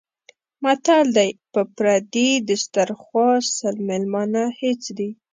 متل دی: په پردي دیسترخوا سل مېلمانه هېڅ دي.